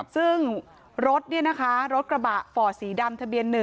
ซึ่งรถนี่นะคะรถกระบะฝ่อสีดำทะเบียน๑